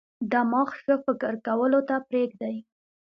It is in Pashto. دماغ ښه فکر کولو ته پریږدي.